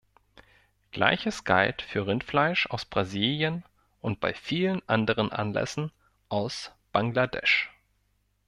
Gleiches galt für Rindfleisch aus Brasilien und bei vielen anderen Anlässen aus Bangladesch.